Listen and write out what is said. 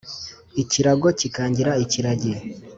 Ikirago kikangira ikiragi